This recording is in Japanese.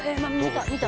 見た？